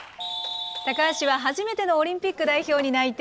高橋は初めてのオリンピック代表に内定。